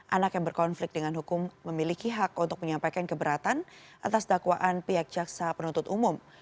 anak yang berkonflik dengan hukum memiliki hak untuk menyampaikan keberatan atas dakwaan pihak jaksa penuntut umum